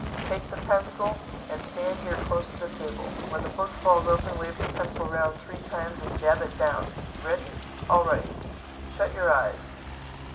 Take the pencil and stand here close to the table. When the book falls open, wave the pencil round three times and jab it down. Ready?—All right. Shut your eyes."